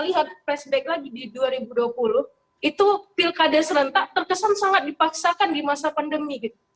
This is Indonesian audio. kita lihat flashback lagi di dua ribu dua puluh itu pilkada serentak terkesan sangat dipaksakan di masa pandemi